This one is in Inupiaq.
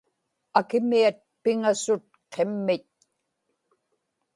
akimiat piŋasut qimmit